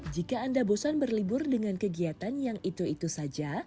jika anda bosan berlibur dengan kegiatan yang itu itu saja